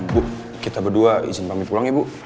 bu kita berdua izin kami pulang ya bu